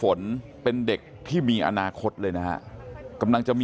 คุณยายบอกว่ารู้สึกเหมือนใครมายืนอยู่ข้างหลัง